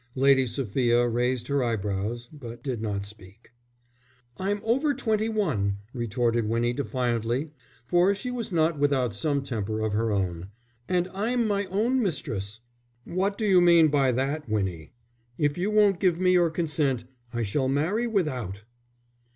Lady Sophia raised her eyebrows, but did not speak. "I'm over twenty one," retorted Winnie defiantly, for she was not without some temper of her own. "And I'm my own mistress." "What do you mean by that, Winnie?" "If you won't give me your consent, I shall marry without."